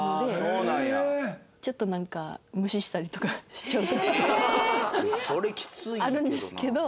ちょっとなんか無視したりとかしちゃう時とかあるんですけど。